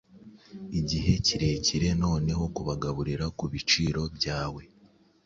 Igihe kirekire noneho kubagaburira kubiciro byawe